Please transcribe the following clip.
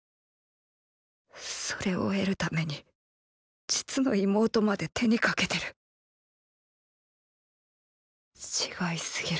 それを得るために実の妹まで手にかけてる違いすぎる